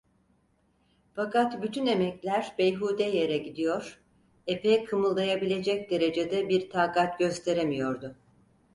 Fakat bütün emekler beyhude yere gidiyor, efe kımıldayabilecek derecede bir takat gösteremiyordu.